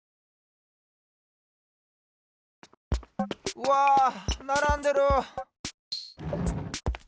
うわならんでる！